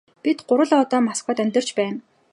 Бид гурвуулаа одоо Москвад амьдарч байна.